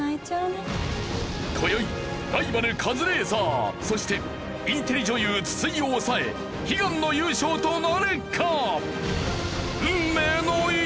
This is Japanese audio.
今宵ライバルカズレーザーそしてインテリ女優筒井を抑え悲願の優勝となるか！？